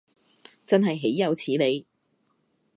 真係豈有此理